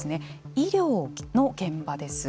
医療の現場です。